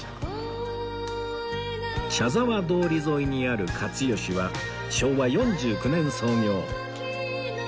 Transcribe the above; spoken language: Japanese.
茶沢通り沿いにあるかつ良は昭和４９年創業